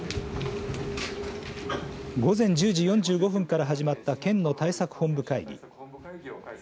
午前１０時４５分から始まった県の対策本部会議。